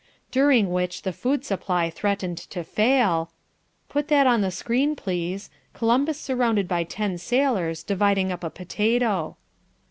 "...during which the food supply threatened to fail..." Put that on the screen, please. Columbus surrounded by ten sailors, dividing up a potato.